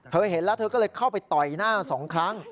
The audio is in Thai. เห็นแล้วเธอก็เลยเข้าไปต่อยหน้า๒ครั้ง